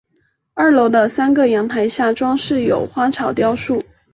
二楼的三个阳台下装饰有花草雕塑。